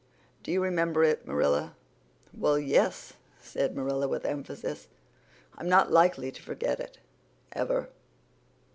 Do you remember it, Marilla?" "Well, yes," said Marilla with emphasis. "I'm not likely to forget it ever."